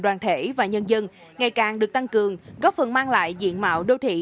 đoàn thể và nhân dân ngày càng được tăng cường góp phần mang lại diện mạo đô thị